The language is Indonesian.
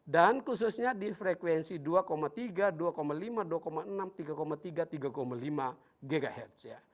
dan khususnya di frekuensi dua tiga dua lima dua enam tiga tiga tiga lima ghz